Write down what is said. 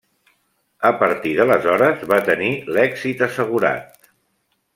A partir d'aleshores, va tenir l'èxit assegurat.